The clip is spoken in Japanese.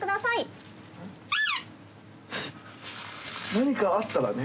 何かあったらね。